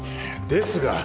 ですが。